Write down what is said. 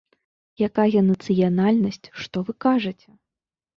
Якая нацыянальнасць, што вы кажаце?!